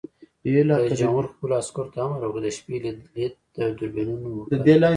رئیس جمهور خپلو عسکرو ته امر وکړ؛ د شپې لید دوربینونه وکاروئ!